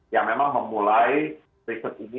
yang memang memulai riset ini